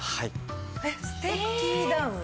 えっスティッキーダウン？